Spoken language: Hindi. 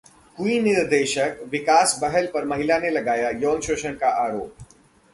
क्वीन निर्देशक विकास बहल पर महिला ने लगाया यौन शोषण का आरोप